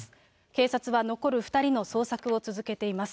警察は残る２人の捜索を続けています。